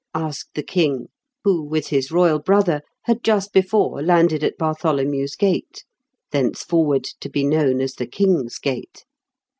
" asked the King, who, with his royal brother, had just before landed at Bar tholomew's Gate, thenceforward to be known as the King's Gate.